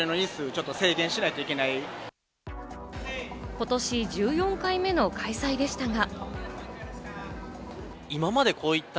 ことし１４回目の開催でしたが。